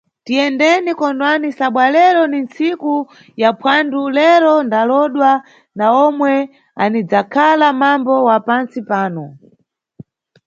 Tiyendeni, kondwani, sabwa lero ni nntsiku ya phwando, lero ndalowodwa na omwe anidzakhala mambo wa pantsi pano.